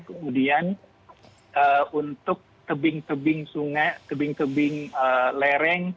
kemudian untuk tebing tebing sungai tebing tebing lereng